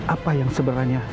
apa yang sebenarnya